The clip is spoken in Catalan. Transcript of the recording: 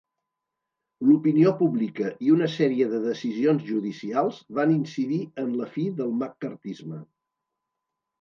L'opinió pública i una sèrie de decisions judicials van incidir en la fi del maccarthisme.